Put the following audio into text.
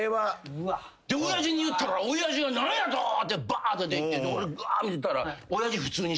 親父に言ったら親父が何やとってばーっと出て行って俺見てたら。